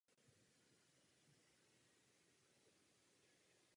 Pojmenován podle departement Charente v jihozápadní Francii.